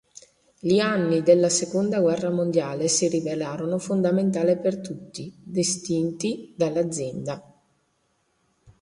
Gli anni della Seconda guerra mondiale si rivelarono fondamentali per i futuri destini dell'azienda.